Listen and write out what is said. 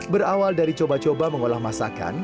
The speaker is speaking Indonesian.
berawal dari coba coba mengolah masakan